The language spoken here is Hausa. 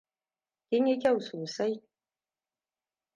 Kin yi kyau sosai.